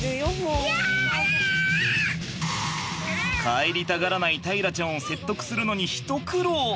帰りたがらない大樂ちゃんを説得するのに一苦労。